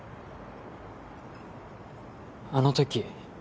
あの時。